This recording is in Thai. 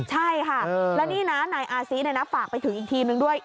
ใช่ค่ะแล้วนี่นะนายอาซีฝากไปถึงอีกทีมนึงด้วย